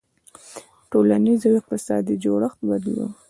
• د ټولنیز او اقتصادي جوړښت بدلون.